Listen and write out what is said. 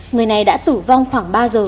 người này đã tử vong khoảng ba giờ